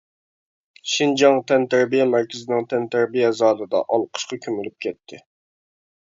شىنجاڭ تەنتەربىيە مەركىزىنىڭ تەنتەربىيە زالىدا ئالقىشقا كۆمۈلۈپ كەتتى.